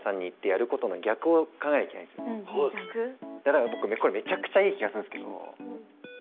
だから僕これめちゃくちゃいい気がするんですけど。